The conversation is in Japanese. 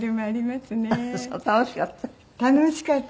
楽しかった？